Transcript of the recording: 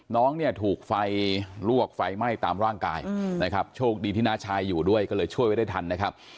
น้องเนี่ยถูกไฟลวกไฟไหม้ตามร่างกายนะครับโชคดีที่น้าชายอยู่ด้วยก็เลยช่วยไว้ได้ทันนะครับ